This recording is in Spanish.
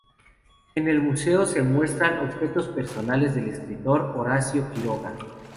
En el museo se muestran objetos personales del escritor Horacio Quiroga.